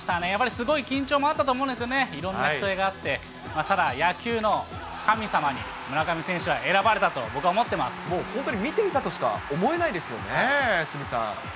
すごい緊張もあったと思うんですよね、いろんながあって、ただ、野球の神様に、村上選手は選ばれもう本当に、見ていたとしか思えないですよね、鷲見さん。